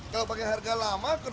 kalau pakai harga lama kerugian negara